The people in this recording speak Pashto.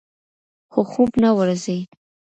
خو خوب نه ورځي.